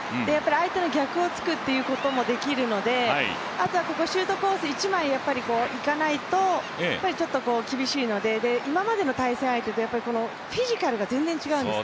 相手の逆をつくということもできるので、あとはシュートコース、一枚行かないとやっぱり厳しいので今までの対戦相手とフィジカルが全然違うんです。